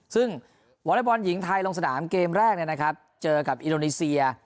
ซึ่งหวัดละบอลหญิงไทยลงสนามเกมแรกเนี่ยนะครับเจอกับอิโรนีเซีย